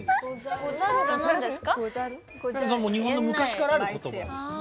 日本の昔からある言葉ですね。